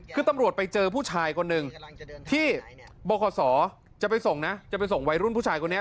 คือตำรวจไปเจอผู้ชายคนหนึ่งที่บขจะไปส่งนะจะไปส่งวัยรุ่นผู้ชายคนนี้